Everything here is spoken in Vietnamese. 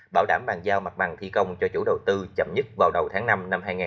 bảo đảm bàn giao mặt bằng thi công cho chủ đầu tư chậm nhất vào đầu tháng năm năm hai nghìn hai mươi